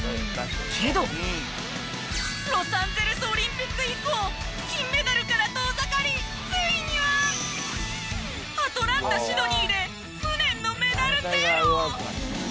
けどロサンゼルスオリンピック以降金メダルから遠ざかりついにはアトランタシドニーで無念のメダルゼロ。